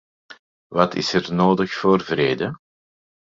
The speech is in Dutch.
Wat is er nodig voor vrede?